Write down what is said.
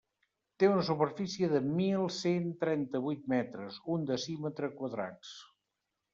Té una superfície de mil cent trenta-vuit metres, un decímetre quadrats.